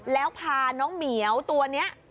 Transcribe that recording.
แล้วพาน้องเหมียวตัวนี้